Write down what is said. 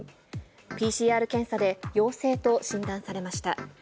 ＰＣＲ検査で陽性と診断されました。